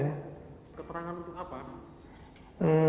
keterangan untuk apa